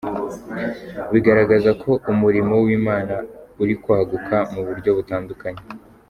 Bigaragaza ko umurimo w’Imana uri kwaguka mu buryo butandukanye.